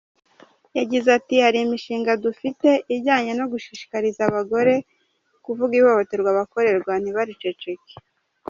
Yagize ati “Hari imishinga dufite ajyanye no gushishikariza abagore kuvuga ihohoterwa bakorerwa ntibariceceke.